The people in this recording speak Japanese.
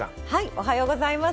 おはようございます。